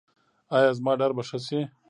ایا زما ډار به ښه شي؟